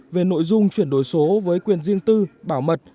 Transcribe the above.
về nội dung chuyển đổi số với quyền riêng tư bảo mật